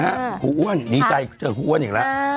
ครูอ้วนดีใจเจอครูอ้วนอีกแล้ว